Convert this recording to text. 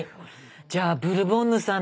じゃあブルボンヌさん